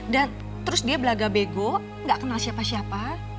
dan terus dia belaga bego gak kenal siapa siapa